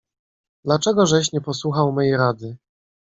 "Dla czegożeś nie posłuchał mej rady."